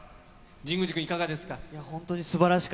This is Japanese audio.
神宮寺君、いかがですか。